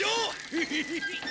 ヘヘヘヘ。